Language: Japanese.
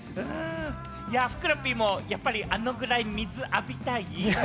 ふくらＰもやっぱり、あのくらい水を浴びたい？